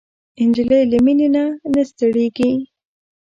نجلۍ له مینې نه نه ستړېږي.